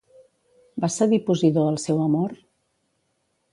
Va cedir Posidó al seu amor?